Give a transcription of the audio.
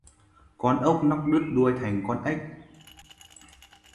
Con ốc nóc đứt đuôi thì thành con ếch